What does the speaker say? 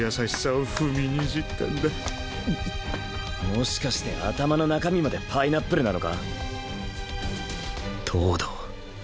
もしかして頭の中身までパイナップルなのか？